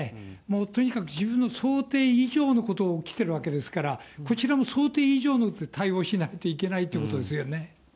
とにかく、自分の想定以上のことが起きてるわけですから、こちらも想定以上の対応をしないといけないっていうことですよね。